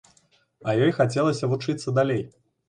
А ёй хацелася вучыцца далей.